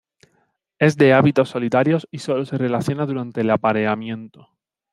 Es de hábitos solitarios y solo se relaciona durante el apareamiento.